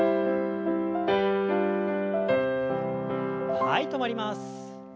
はい止まります。